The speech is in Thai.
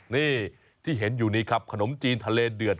นี่ที่เห็นอยู่นี้ครับขนมจีนทะเลเดือด